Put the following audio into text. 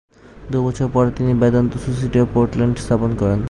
দু-বছর পরে তিনি Vedanta society of Portland স্থাপন করেন।